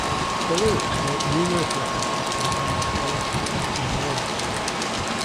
The lyrics make numerous references to the band's Dallas, Texas, environs.